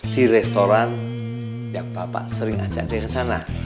di restoran yang bapak sering ajak dia ke sana